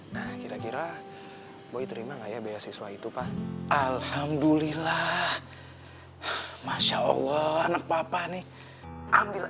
nah kira kira boy terima nggak ya beasiswa itu pak alhamdulillah masya allah anak papa nih ambil